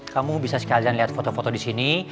kamu bisa sekalian lihat foto foto disini